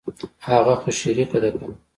اگه خو شريکه ده کنه.